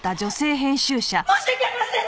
申し訳ありません！